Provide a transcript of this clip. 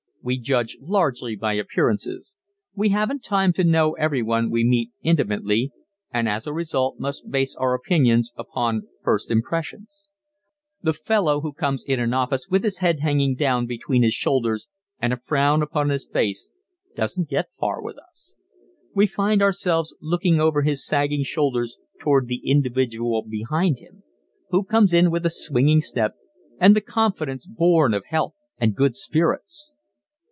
We judge largely by appearances. We haven't time to know everyone we meet intimately and as a result must base our opinions upon first impressions. The fellow who comes in an office with his head hanging down between his shoulders and a frown upon his face doesn't get far with us. We find ourselves looking over his sagging shoulders toward the individual behind him who comes in with a swinging step and the confidence born of health and good spirits.